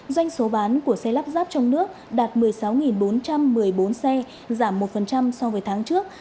doanh số bán của xe lắp ráp trong nước đạt một mươi sáu bốn trăm một mươi bốn xe giảm một so với tháng trước